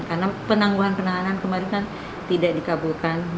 karena penangguhan penahanan kemarin kan tidak dikabulkan